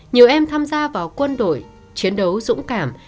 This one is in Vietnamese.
đã có người hiểu đã có người tham gia vào quân đội chiến đấu dũng cảm